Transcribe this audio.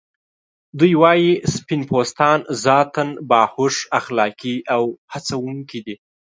دوی وايي سپین پوستان ذاتاً باهوښ، اخلاقی او هڅونکي دي.